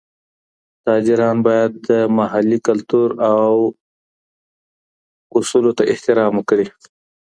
تاجران باید د محلي کلتور او اصولو ته احترام وکړي.